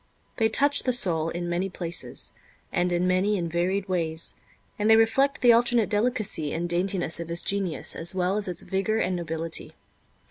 They touch the soul in many places, and in many and varied ways, and they reflect the alternate delicacy and daintiness of his genius as well as its vigor and nobility.